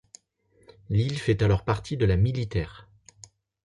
L'île fait alors partie de la militaire.